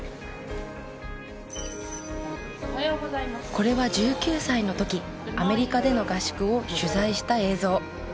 これは１９歳の時アメリカでの合宿を取材した映像。